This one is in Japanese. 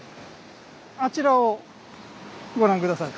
あちらをご覧下さい。